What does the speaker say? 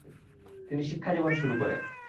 তিনি শিক্ষাজীবন শুরু করেন।